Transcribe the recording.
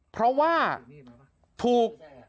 เพราะว่าถูก